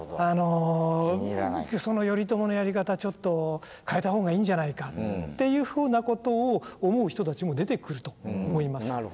その頼朝のやり方はちょっと変えた方がいいんじゃないかっていうふうなことを思う人たちも出てくると思います。